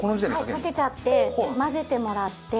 かけちゃって混ぜてもらって。